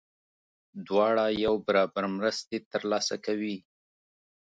دواړه یو برابر مرستې ترلاسه کوي.